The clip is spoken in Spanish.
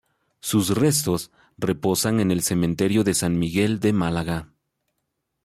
Sus restos reposan en el Cementerio de San Miguel de Málaga.